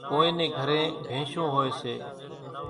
ڪونئين نين گھرين ڀينشون هوئيَ سي۔